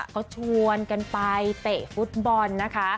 เขาชวนกันไปเตะฟุตบอลนะคะ